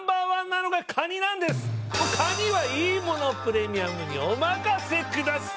もうカニは「いいものプレミアム」にお任せください。